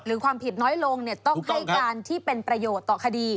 ความผิดน้อยลงต้องให้การที่เป็นประโยชน์ต่อคดี